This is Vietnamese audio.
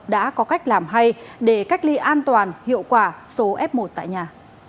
đã có cách làm hay để cách ly an toàn hiệu quả số f một tại nhà